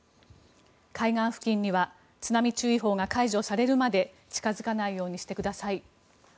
海岸付近には津波注意報が解除されるまで近付かないようにしてください。